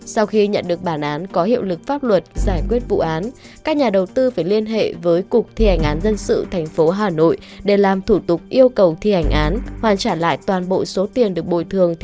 sau khi nhận được bản án có hiệu lực pháp luật giải quyết vụ án các nhà đầu tư phải liên hệ với cục thi hành án dân sự thành phố hà nội để làm thủ tục yêu cầu thi hành án hoàn trả lại toàn bộ số tiền được bồi thường